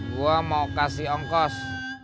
gue mau kasih ongkos